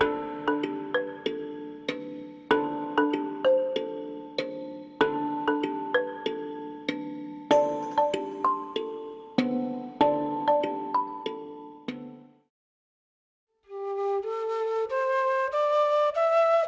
dan kami menemukan keamanan yang lebih baik untuk mereka sendiri